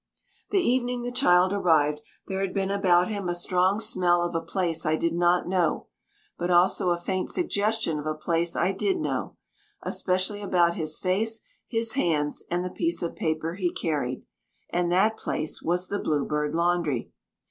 The evening the child arrived, there had been about him a strong smell of a place I did not know, but also a faint suggestion of a place I did know, especially about his face, his hands, and the piece of paper he carried, and that place was the Blue Bird Laundry.